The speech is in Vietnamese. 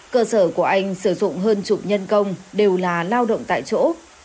cơ sở của anh sử dụng hơn chục nhân công đều là lao động tại chỗ